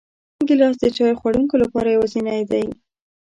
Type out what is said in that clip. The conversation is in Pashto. ګیلاس د چای خوړونکو لپاره یوازینی دی.